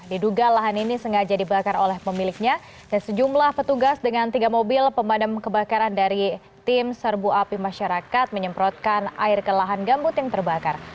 diduga lahan ini sengaja dibakar oleh pemiliknya dan sejumlah petugas dengan tiga mobil pemadam kebakaran dari tim serbu api masyarakat menyemprotkan air ke lahan gambut yang terbakar